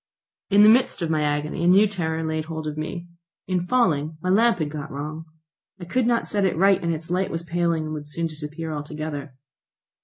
In the midst of my agony a new terror laid hold of me. In falling my lamp had got wrong. I could not set it right, and its light was paling and would soon disappear altogether.